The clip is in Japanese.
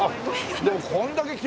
でもこんだけ記録